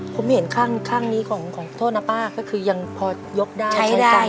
ผมเห็นข้างนี้ของโทษนะป้าก็คือยังพอยกได้ใช้ได้